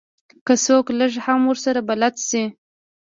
که څوک لږ هم ورسره بلد شي.